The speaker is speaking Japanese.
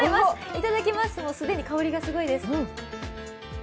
いただきます、既に香りがすごいです。